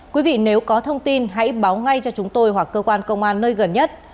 quý vị nếu có thông tin hãy báo ngay cho chúng tôi hoặc cơ quan công an nơi gần nhất